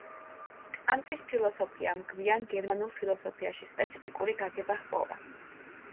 კანტის ფილოსოფიამ გვიან გერმანულ ფილოსოფიაში სპეციფიკური გაგება ჰპოვა.